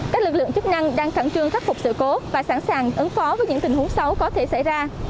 các lực lượng chức năng đang khẩn trương khắc phục sự cố và sẵn sàng ứng phó với những tình huống xấu có thể xảy ra